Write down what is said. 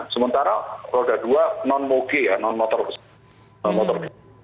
sementara roda dua non moge ya non motor besar